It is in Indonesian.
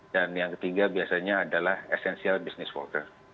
dan yang ketiga biasanya adalah essential business worker